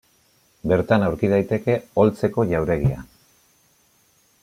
Bertan aurki daiteke Oltzeko jauregia.